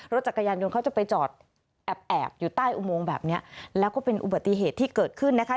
รถจักรยานยนต์เขาจะไปจอดแอบแอบอยู่ใต้อุโมงแบบนี้แล้วก็เป็นอุบัติเหตุที่เกิดขึ้นนะคะ